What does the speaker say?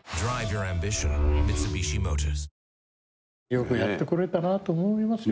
よくやってこれたなと思いますよ。